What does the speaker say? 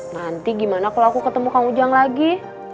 nanti gimana kalau aku ketemu kang ujang lagi